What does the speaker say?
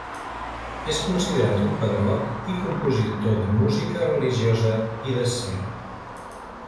És considerat un pedagog i compositor de música religiosa i d'escena.